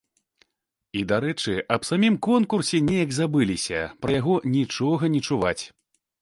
І, дарэчы, аб самім конкурсе неяк забыліся, пра яго нічога не чуваць.